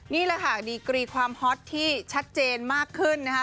นี่แหละค่ะดีกรีความฮอตที่ชัดเจนมากขึ้นนะคะ